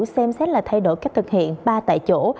xem xét là thay đổi cách thực hiện ba tại chỗ